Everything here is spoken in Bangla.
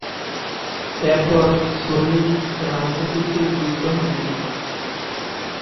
এরপর শ্রমিক রাজনীতিতে যুক্ত হন তিনি।